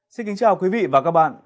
xin kính chào quý vị và các bạn